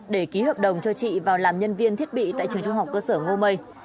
để ký hợp đồng cho chị vào làm nhân viên thiết bị tại trường trung học cơ sở ngô mây